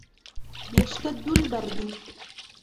يَشْتَدُّ الْبَرْدُ.